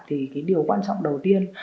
thì cái điều quan trọng đầu tiên